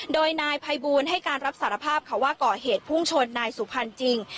โดยนายภัยบูลให้การรับสารภาพค่ะว่าก่อเหตุพุ่งชนนายสุพรรณจริง